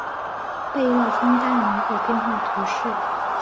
贝勒枫丹人口变化图示